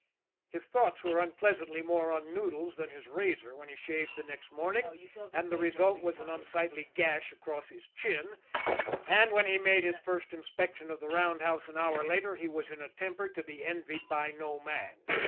His thoughts were unpleasantly more on Noodles than his razor when he shaved the next morning, and the result was an unsightly gash across his chin and when he made his first inspection of the roundhouse an hour later he was in a temper to be envied by no man.